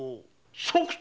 即答？